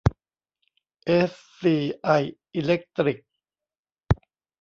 เอสซีไอ อีเลคตริค